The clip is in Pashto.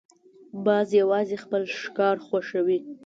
باز یوازې خپل ښکار خوښوي